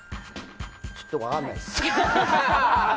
ちょっと分からないです。